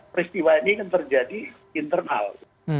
peristiwa ini kan terjadi internal